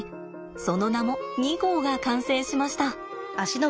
その名も２号が完成しました。